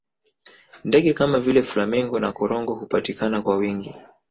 ndege Kama vile flamingo na korongo hupatikana kwa wingi